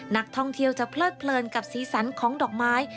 นักท่องเที่ยวจะเพลิดเพลินกับสีสันของดอกไม้